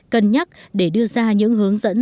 cân nhắc để đưa ra những hướng dẫn